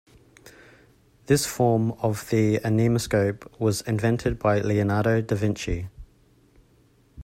This form of the anemoscope was invented by Leonardo da Vinci.